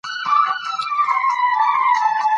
په افغانستان کې د بادامو په اړه ګټورې زده کړې کېږي.